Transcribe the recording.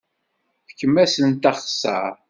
Fkem-asent axeṣṣar!